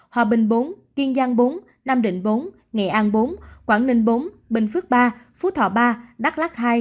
hòa bình bốn kiên giang bốn nam định bốn nghệ an bốn quảng ninh bốn bình phước ba phú thọ ba đắk lắc hai